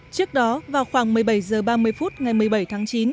trước đó vào khoảng một mươi bảy h ba mươi phút ngày một mươi bảy tháng chín